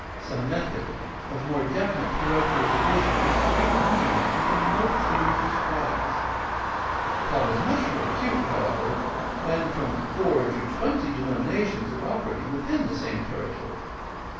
Some method of more definite parochial division is greatly needed within most of the religious bodies. The problem is much more acute, however, when from four to twenty denominations are operating within the same terri tory.